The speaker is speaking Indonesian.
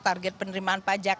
target penerimaan pajak